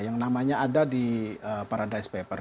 yang namanya ada di paradise paper